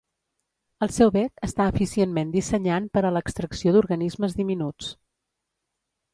El seu bec està eficientment dissenyant per a l'extracció d'organismes diminuts.